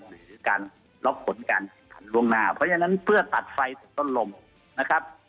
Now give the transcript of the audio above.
หรือการล็อกผลการแข่งขันล่วงหน้าเพราะฉะนั้นเพื่อตัดไฟจากต้นลมนะครับ